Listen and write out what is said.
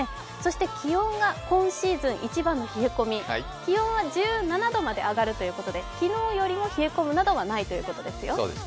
そして気温が今シーズン一番の冷え込み、気温は１７度まで上がるということで昨日よりも冷え込むのはないということですよ。